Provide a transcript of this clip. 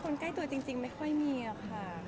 ใกล้ตัวจริงไม่ค่อยมีค่ะ